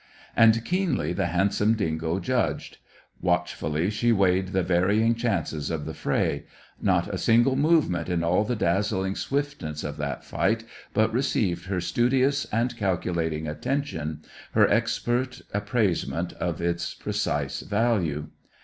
And keenly the handsome dingo judged; watchfully she weighed the varying chances of the fray; not a single movement in all the dazzling swiftness of that fight but received her studious and calculating attention, her expert appraisement of its precise value.